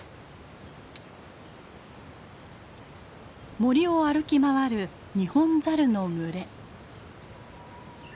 森を歩き回るニホンザルの群れ。